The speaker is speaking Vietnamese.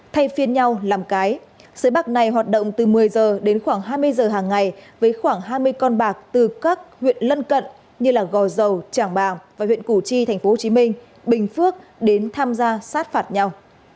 thay phiên nhau làm cái sới bạc này hoạt động từ một mươi h đến khoảng hai mươi giờ hàng ngày với khoảng hai mươi con bạc từ các huyện lân cận như gò dầu trảng bàng và huyện củ chi tp hcm bình phước đến tham gia sát phạt nhau